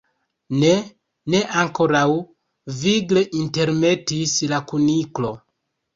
"Ne, ne ankoraŭ," vigle intermetis la Kuniklo.